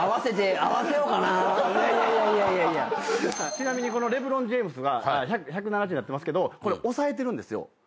ちなみにこのレブロン・ジェームズが１７０になってますけどこれ抑えてるんですよ。